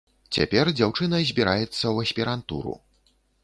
Цяпер дзяўчына збіраецца ў аспірантуру.